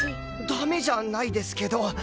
ダメじゃないですけど。